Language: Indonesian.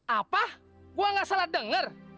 apa gua nggak salah denger